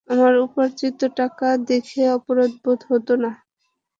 আমার উপার্জিত টাকা দেখে অপরাধবোধ হতো না।